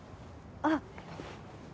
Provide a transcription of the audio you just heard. あっ。